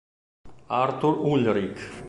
Artur Ullrich